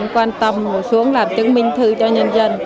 quan tâm xuống làm chứng minh thư cho nhân dân